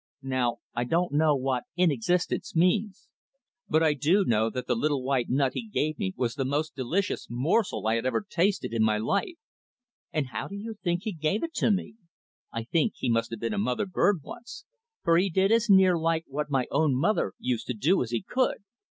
Now I don't know what "in existence" means, but I do know that the little white nut he gave me was the most delicious morsel I had ever tasted in my life. And how do you think he gave it to me? I think he must have been a mother bird once, for he did as near like what my own mother used to do as he could.